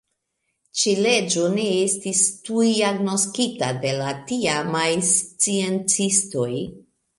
Ĉi-leĝo ne estis tuj agnoskita de la tiamaj sciencistoj.